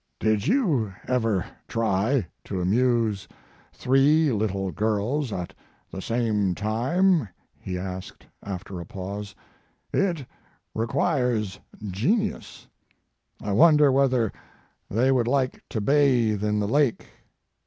Did you ever try to amuse three little girls at the same time? he asked, after a pause; it requires genius. I wonder whether they would like to bathe in the lake?